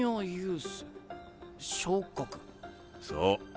そう。